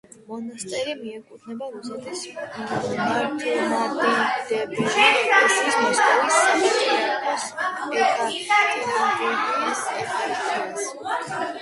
მონასტერი მიეკუთვნება რუსეთის მართლმადიდებელი ეკლესიის მოსკოვის საპატრიარქოს ეკატერინბურგის ეპარქიას.